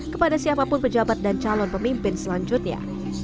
kepada siapapun pejabat dan calon pemimpin selanjutnya